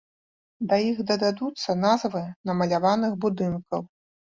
Да іх дададуцца назвы намаляваных будынкаў.